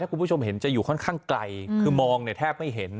คุณผู้ชมเห็นจะอยู่ค่อนข้างไกลคือมองเนี่ยแทบไม่เห็น